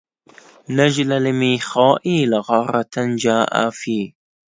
نجل لميخائيل غرة جاء في